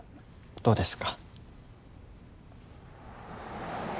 どうですか？